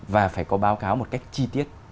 và phải có báo cáo một cách chi tiết